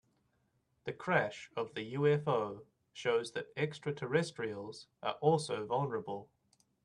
The crash of the UFO shows that extraterrestrials are also vulnerable.